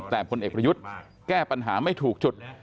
แต่พลเอกประยุทธ์แก้ปัญหาไม่ถูกจุด